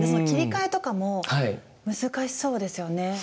切り替えとかも難しそうですよね。